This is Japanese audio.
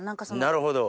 なるほど。